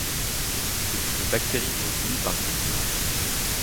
C’est une bactérie mobile par glissement.